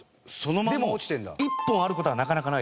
でも１本ある事はなかなかないです。